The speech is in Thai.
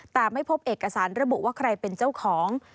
แต่ไม่พบเอกสารระบุว่าใครเป็นเจ้าของ